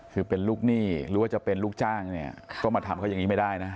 คือเป็นลูกหนี้หรือว่าจะเป็นลูกจ้างเนี่ยก็มาทำเขาอย่างนี้ไม่ได้นะ